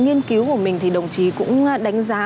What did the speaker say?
nghiên cứu của mình thì đồng chí cũng đánh giá